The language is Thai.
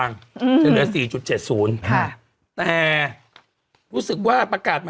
ขึ้นด้วยหรอครับ